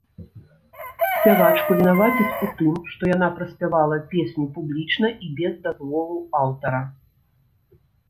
Спявачку вінавацяць у тым, што яна праспявала песню публічна і без дазволу аўтара.